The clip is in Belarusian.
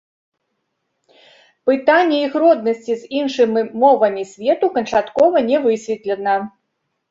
Пытанне іх роднасці з іншымі мовамі свету канчаткова не высветлена.